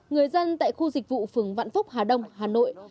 người dân tại khu dịch vụ phường vạn phúc hà đông hà nội